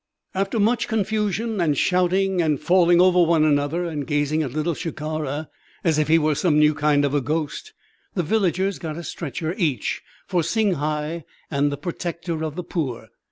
After much confusion and shouting and falling over one another, and gazing at Little Shikara as if he were some new kind of a ghost, the villagers got a stretcher each for Singhai and the Protector of the Poor.